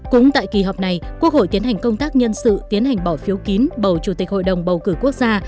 cũng tại kỳ họp này quốc hội tiến hành công tác nhân sự tiến hành bỏ phiếu kín bầu chủ tịch hội đồng bầu cử quốc gia